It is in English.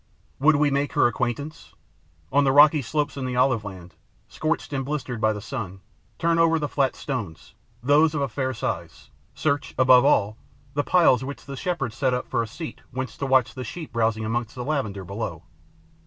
Would we make her acquaintance? On the rocky slopes in the oliveland, scorched and blistered by the sun, turn over the flat stones, those of a fair size; search, above all, the piles which the shepherds set up for a seat whence to watch the sheep browsing amongst the lavender below.